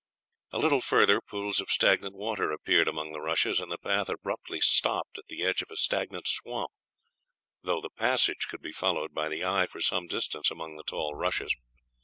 A little further pools of stagnant water appeared among the rushes, and the path abruptly stopped at the edge of a stagnant swamp, though the passage could be followed by the eye for some distance among the tall rushes.